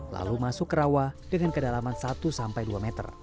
lalu masuk ke rawa dengan kedalaman satu sampai dua meter